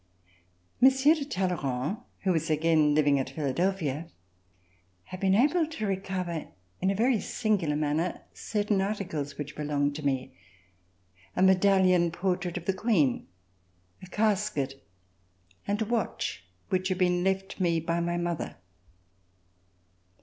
Monsieur de Talleyrand, who was again living at Philadelphia, had been able to recover in a very singular manner certain articles which belonged to me: a medallion portrait of the Queen, a casket and a watch which had been left me by my mother.